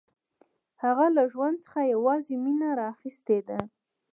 هغه له ژوند څخه یوازې مینه راخیستې ده